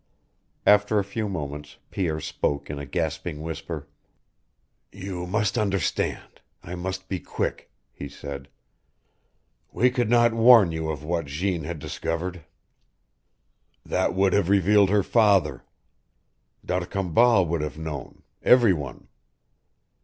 After a few moments Pierre spoke in a gasping whisper. "You must understand. I must be quick," he said. "We could not warn you of what Jeanne had discovered. That would have revealed her father. D'Arcambal would have known every one.